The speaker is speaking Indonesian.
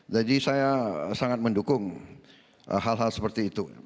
jadi saya sangat mendukung hal hal seperti itu